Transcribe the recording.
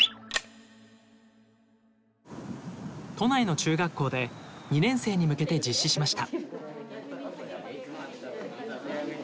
都内の中学校で２年生に向けて実施しました。